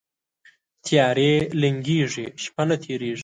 تیارې لنګیږي، شپه نه تیریږي